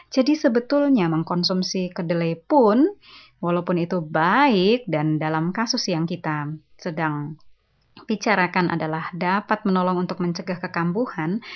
jadi sebetulnya mengkonsumsi kedelai pun walaupun itu baik dan dalam kasus yang kita sedang bicarakan adalah dapat menolong untuk mencegah kekambuhan